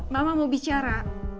mama mau bicara